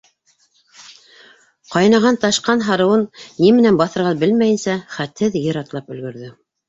Ҡайнаған, ташҡан һарыуын ни менән баҫырға белмәйенсә, хәтһеҙ ер атлап өлгөрҙө.